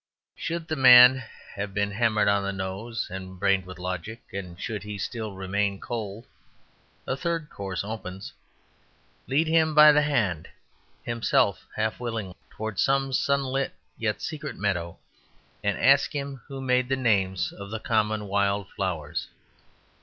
Should the man have been hammered on the nose and brained with logic, and should he still remain cold, a third course opens: lead him by the hand (himself half willing) towards some sunlit and yet secret meadow and ask him who made the names of the common wild flowers.